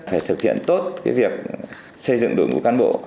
phải thực hiện tốt việc xây dựng đội ngũ cán bộ